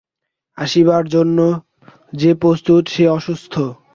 আসিবার জন্য যে প্রস্তুত, সে অসুস্থ।